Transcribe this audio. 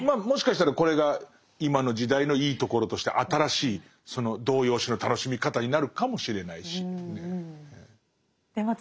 もしかしたらこれが今の時代のいいところとして新しいその童謡詩の楽しみ方になるかもしれないしね。